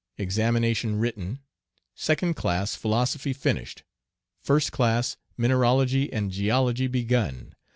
Examination written. Second class, philosophy finished. First class, mineralogy and geology begun.